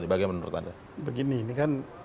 bagaimana menurut anda begini ini kan